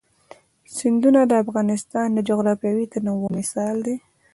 سیندونه د افغانستان د جغرافیوي تنوع مثال دی.